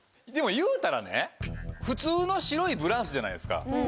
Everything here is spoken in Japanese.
でもいうたらね普通の白いブラウスじゃないですか。